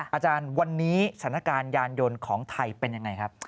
อาจารย์วันนี้สถานการณ์ยานยนต์ของไทยเป็นยังไงครับ